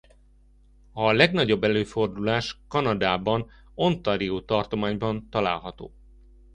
A legnagyobb előfordulás Kanadában Ontario tartományban található.